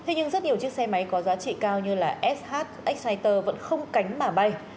nhưng rất nhiều chiếc xe máy có giá trị cao như sh exciter vẫn không cánh bả bay